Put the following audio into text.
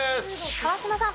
川島さん。